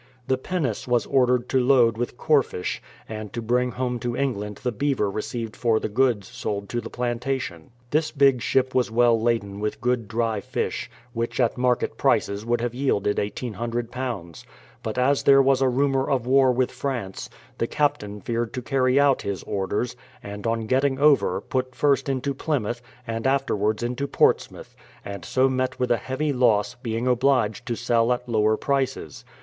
The pinnace was ordered to load with corfish, and to bring home to England the beaver received for the goods sold to the plantation. This big ship was well laden with good dry fish, which at market prices would have yielded iiSoo. But as there was a rumour of war 166 BRADFORD'S HISTORY OP with France, the captain feared to carry out his orders, and on getting over, put first into Plymouth, and afterwards into Portsmouth, and so met with a heavy loss, being obliged to sell at lower prices.